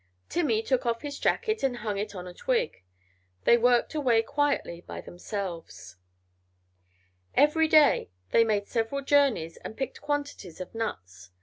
Timmy took off his jacket and hung it on a twig; they worked away quietly by themselves. Every day they made several journeys and picked quantities of nuts.